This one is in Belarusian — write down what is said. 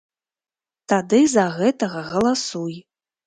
Тады за гэтага галасуй.